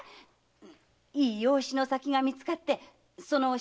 いい養子の先が見つかってその支度金かい？